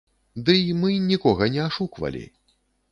Дый, мы нікога не ашуквалі.